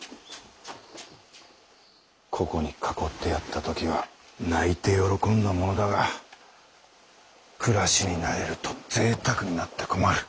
ここに囲ってやった時は泣いて喜んだものだが暮らしに慣れると贅沢になって困る。